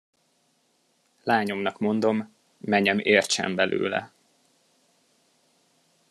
Lányomnak mondom, menyem értsen belőle.